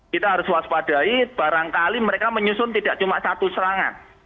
kita harus waspadai barangkali mereka menyusun tidak cuma satu serangan